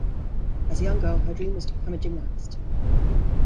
As a young girl, her dream was to become a gymnast.